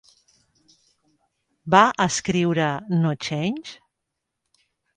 Va escriure "No Change?"